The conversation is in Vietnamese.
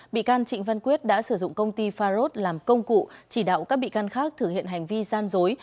bị can trịnh văn quyết đã sử dụng công ty farod làm công cụ chỉ đạo các bị can khác thử hiện hành vi gian dối